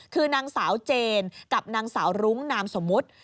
คือนางสาวเจนกับนางสาวรุ้งนามสมมุติ